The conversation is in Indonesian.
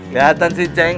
liatan sih ceng